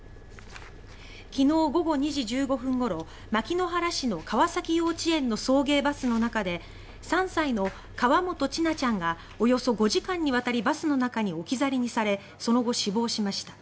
昨日午後２時１５分ごろ牧之原市の川崎幼稚園の送迎バスの中で３歳の河本千奈ちゃんがおよそ５時間にわたりバスの中に置き去りにされその後、死亡しました。